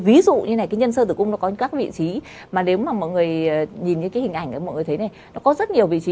ví dụ như này cái nhân sơ tử cung nó có những các vị trí mà nếu mà mọi người nhìn cái hình ảnh của mọi người thấy này nó có rất nhiều vị trí